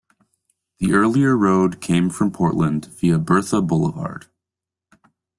The earlier road came from Portland via Bertha Blvd.